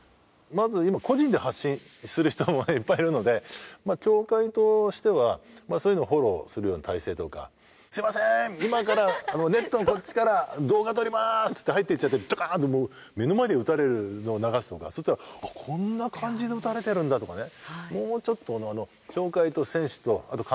まず今、個人で発信する人もいっぱいいるので協会としてはそういうのをフォローするような体制とかすいませーん、今からネットのこっちから動画撮りまーすって入っていっちゃってどかーんと、目の前で打たれるのを流すとかそうしたら、こんな感じで打たれてるんだとかね。